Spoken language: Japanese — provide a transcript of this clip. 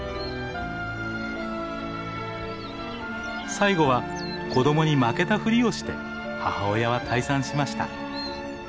最後は子供に負けたふりをして母親は退散しました。